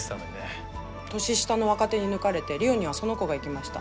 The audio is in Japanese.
年下の若手に抜かれてリオにはその子が行きました。